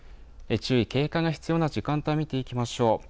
注意、警戒が必要な時間帯見ていきましょう。